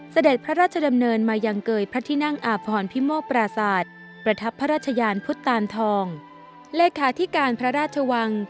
สเด็จพระราชดำเนินมายังเกยพระที่นั่งอาบผ่อนพิโมปราสาทประทับพระราชยานพุทธตานทอง